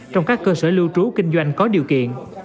trong các cơ sở lưu trú kinh doanh có điều kiện